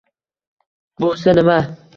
“…boʼsa nima?